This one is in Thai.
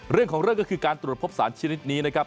เรื่องของเรื่องก็คือการตรวจพบสารชนิดนี้นะครับ